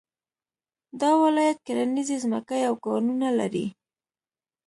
دا ولايت کرنيزې ځمکې او کانونه لري